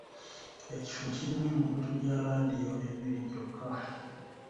Ekifo kirimu emikutu gya laadiyo ebiri gyokka.